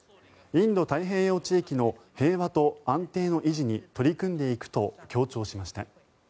インド太平洋地域の平和と安定の維持に取り組んでいくと強調しました。